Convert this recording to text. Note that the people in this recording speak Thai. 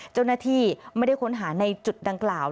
เจ้าหน้าที่ไม่ได้ค้นหาในจุดดังกล่าว